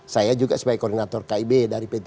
saya juga sebagai koordinator kib dari p tiga